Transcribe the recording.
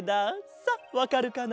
さあわかるかな？